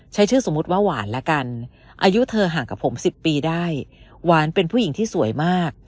ใช้ชื่อสมมุติว่าหวานละกันอายุเธอห่างกับผม๑๐ปีได้หวานเป็นผู้หญิงที่สวยมาก